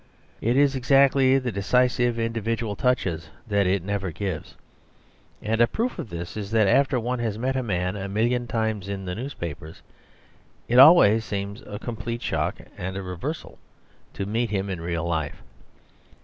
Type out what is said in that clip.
It is exactly the decisive individual touches that it never gives; and a proof of this is that after one has met a man a million times in the newspapers it is always a complete shock and reversal to meet him in real life.